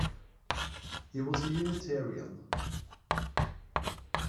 He was a Unitarian.